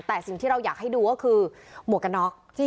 แต่สิ่งที่เราอยากให้ดูก็คือหมวกกันน็อก